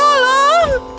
ajaib tuh mati